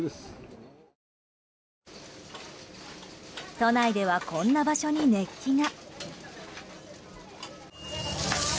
都内ではこんな場所に熱気が。